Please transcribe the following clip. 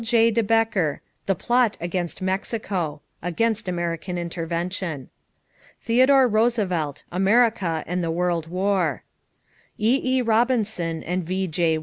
J. de Bekker, The Plot against Mexico (against American intervention). Theodore Roosevelt, America and the World War. E.E. Robinson and V.J.